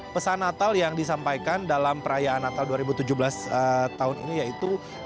pesan natal yang disampaikan dalam perayaan natal dua ribu tujuh belas tahun ini yaitu